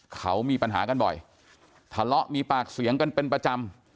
เขามีปัญหากันบ่อยทะเลาะมีปากเสียงกันเป็นประจำ